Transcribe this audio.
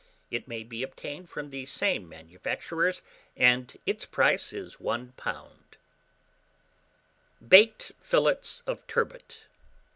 It may be obtained from the same manufacturers, and its price is £1. BAKED FILLETS OF TURBOT.